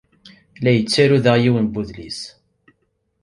La yettaru, daɣ, yiwen n wedlis.